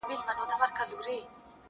یو لېوه د غره لمن کي وږی تږی!.